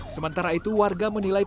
sementara itu warga menilai